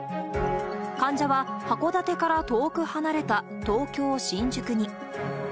患者は函館から遠く離れた東京・新宿に。